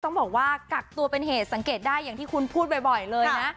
ต้องบอกว่ากักตัวเป็นเหตุสังเกตได้อย่างที่คุณพูดบ่อยเลยนะ